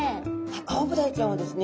アオブダイちゃんはですね